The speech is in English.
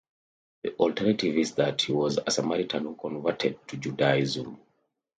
The alternative is that he was a Samaritan who converted to Judaism.